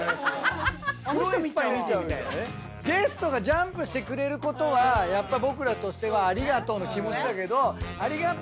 ゲストがジャンプしてくれることはやっぱ僕らとしてはありがとうの気持ちだけど。